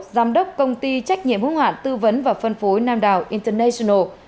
giám đốc công ty trách nhiệm hương hoạn tư vấn và phân phối nam đảo international